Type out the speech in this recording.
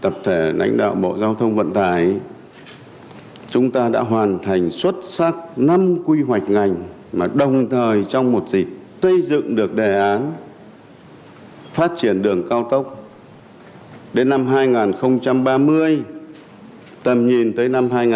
phát triển đường cao tốc đến năm hai nghìn ba mươi tầm nhìn tới năm hai nghìn năm mươi